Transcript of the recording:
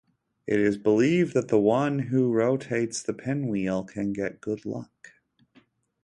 It is believed that the one who rotates the pinwheel can get good luck.